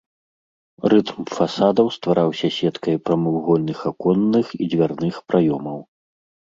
Рытм фасадаў ствараўся сеткай прамавугольных аконных і дзвярных праёмаў.